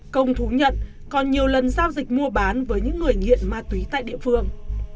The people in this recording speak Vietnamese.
công thú nhận còn nhiều lần giao dịch mua bán với những người nghiện ma túy tại địa phương